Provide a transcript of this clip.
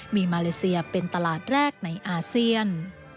มีมาเลเซียเป็นตลาดแรกในอาเซียน